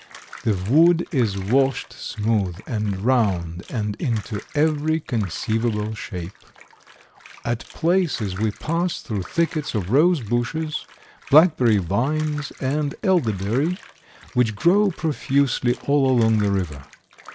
The wood is washed smooth and round and into every conceivable shape. At places we pass through thickets of rose bushes, blackberry vines, and elderberry, which grow profusely all along the river.